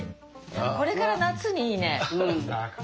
これから夏にいいね。